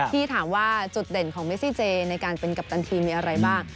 ที่ถามว่าจุดเด่นของเมซี่เจในการเป็นกัปตันทีมมีอะไรบ้าง